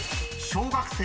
小学生。